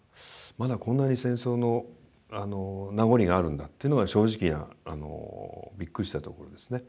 まだこんなに戦争の名残があるんだっていうのが正直なびっくりしたところですね。